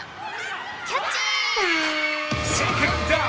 キャッチ！